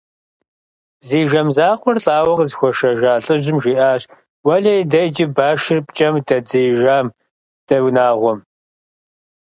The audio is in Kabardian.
Зи жэм закъуэр лӀауэ къызыхуашэжа лӀыжьым жиӀащ: «Уэлэхьи, иджы башыр пкӀэм дэддзеижам дэ унагъуэм».